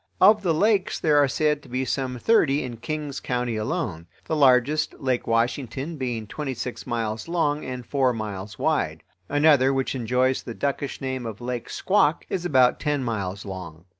Of the lakes there are said to be some thirty in King's County alone; the largest, Lake Washington, being twenty six miles long and four miles wide. Another, which enjoys the duckish name of Lake Squak, is about ten miles long.